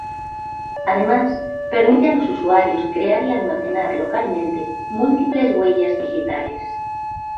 Además permite a los usuarios crear y almacenar localmente múltiples huellas digitales.